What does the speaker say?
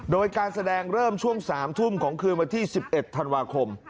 โดยการแสดงเริ่มช่วง๓ทุ่มของคืนวันที่๑๑ธันวาคม